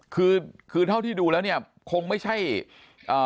คือคือเท่าที่ดูแล้วเนี่ยคงไม่ใช่อ่า